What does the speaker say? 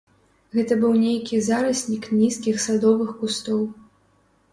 Гэта быў нейкі зараснік нізкіх садовых кустоў.